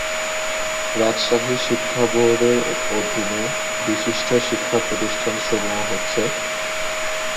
রাজশাহী শিক্ষা বোর্ডের অধিনে বিশিষ্ট শিক্ষা প্রতিষ্ঠান সমূহ হচ্ছেঃ